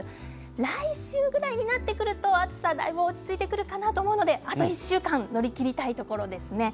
来週ぐらいになってくると暑さだいぶ落ち着いてくるかなと思いますので、あと１週間乗り切りたいところですね。